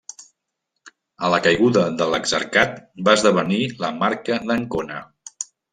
A la caiguda de l'exarcat va esdevenir la Marca d'Ancona.